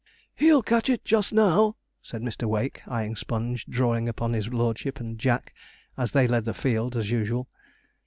'He'll catch it just now,' said Mr. Wake, eyeing Sponge drawing upon his lordship and Jack, as they led the field as usual.